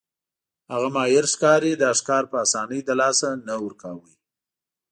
هغه ماهر ښکاري دا ښکار په اسانۍ له لاسه نه ورکاوه.